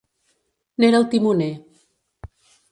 N'era el timoner.